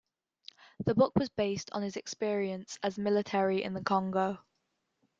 The book was based on his experience as military in the Congo.